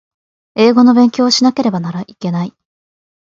英語の勉強をしなければいけない